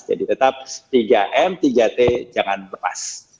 jadi tetap tiga m tiga t jangan lepas